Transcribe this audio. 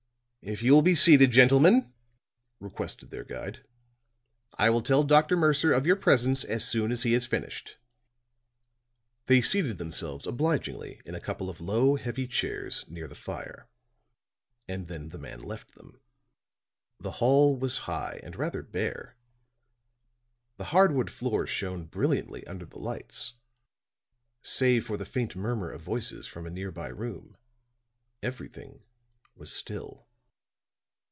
"If you will be seated, gentlemen," requested their guide, "I will tell Dr. Mercer of your presence as soon as he has finished." They seated themselves obligingly in a couple of low, heavy chairs near the fire; and then the man left them. The hall was high and rather bare: the hardwood floor shone brilliantly under the lights; save for the faint murmur of voices from a near by room, everything was still.